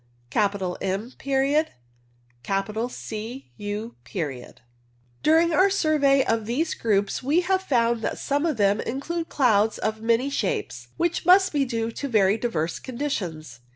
M. Cu. 154 CIRRUS GROUP 1 55 During our survey of these groups we have found that some of them include clouds of many shapes, which must be due to very diverse condi tions.